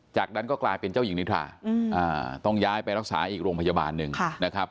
จากนั้นก็กลายเป็นเจ้าหญิงนิทราต้องย้ายไปรักษาอีกโรงพยาบาลหนึ่งนะครับ